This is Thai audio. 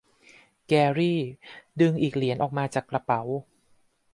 แกรี่ ดึงอีกเหรียญออกมาจากกระเป๋า